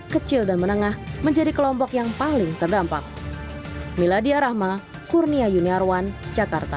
kecil dan menengah menjadi kelompok yang paling terdampak miladia rahma kurnia yuniarwan jakarta